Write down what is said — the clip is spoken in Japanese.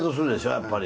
やっぱり。